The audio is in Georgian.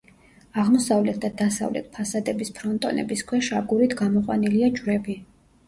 აღმოსავლეთ და დასავლეთ ფასადების ფრონტონების ქვეშ აგურით გამოყვანილია ჯვრები.